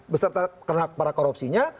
beserta kena para korupsinya